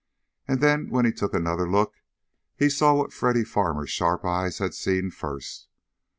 And then when he took another look he saw what Freddy Farmer's sharp eyes had seen first.